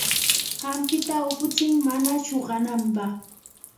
hampita upuntsik mana chuqanapaq.